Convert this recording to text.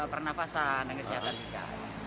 pernafasan dan kesehatan juga